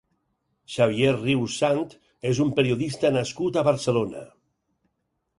Xavier Rius Sant és un periodista nascut a Barcelona.